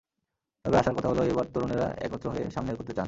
তবে আশার কথা হলো, এবার তরুণেরা একত্র হয়ে সামনে এগোতে চান।